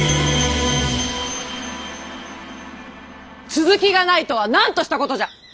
続きがないとは何としたことじゃ！